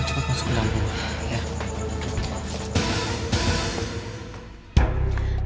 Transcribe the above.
cepat masuk ke dalam rumah